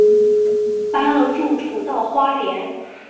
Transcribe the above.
搬了住处到花莲